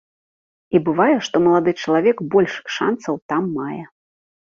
І бывае, што малады чалавек больш шанцаў там мае.